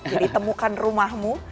jadi temukan rumahmu